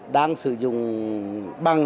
đang sử dụng bằng